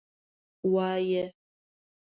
_وايه.